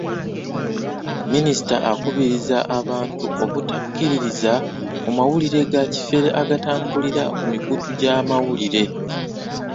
Minisita akubiriza abantu obutakkiririza mu mawulire ga kifere agatambulira ku mikutu gy'amawulire